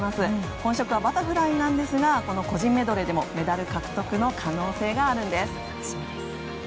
本職はバタフライなんですが個人メドレーでもメダル獲得の可能性があるんです。